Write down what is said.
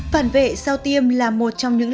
phản vệ sau tiêm là một trong những